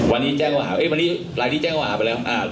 วันนี้แจ้งข้ออาหารเอ๊ะวันนี้รายนี้แจ้งข้ออาหารไปแล้วอ่า